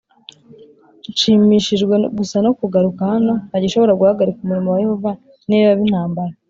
nshimishijwe gusa no kugaruka hano Nta gishobora guhagarika umurimo wa Yehova niyo yaba intambara